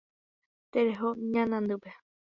Tereho ñanandýpe.